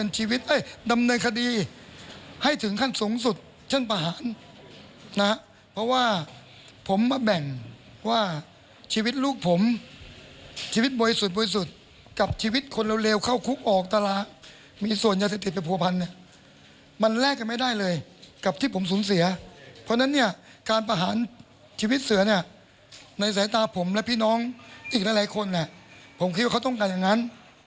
ชีวิตเสือในสายตาผมและพี่น้องอีกหลายคนผมคิดว่าเขาต้องการอย่างนั้น